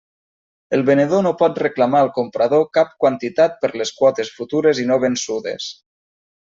El venedor no pot reclamar al comprador cap quantitat per les quotes futures i no vençudes.